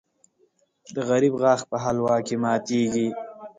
د غریب غاښ په حلوا کې ماتېږي .